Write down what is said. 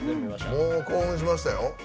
興奮しましたよ。